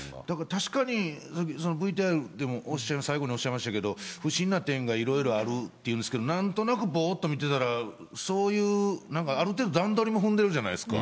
確かにＶＴＲでも最後におっしゃいましたけれども、不審な点がいろいろあるっていうんですけど、なんとなくぼーっと見てたら、そういう、なんかある程度、段取りを踏んでるじゃないですか。